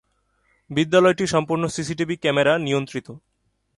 বিদ্যালয়টি সম্পূর্ণ "CCTV camera" নিয়ন্ত্রিত।